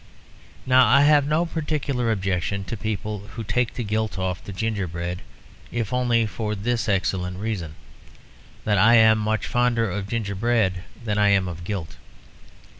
Now I have no particular objection to people who take the gilt off the gingerbread; if only for this excellent reason, that I am much fonder of gingerbread than I am of gilt.